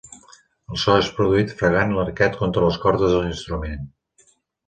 El so és produït fregant l'arquet contra les cordes de l'instrument.